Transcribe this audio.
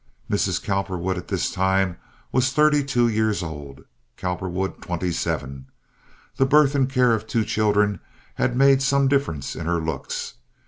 Mrs. Cowperwood at this time was thirty two years old; Cowperwood twenty seven. The birth and care of two children had made some difference in her looks.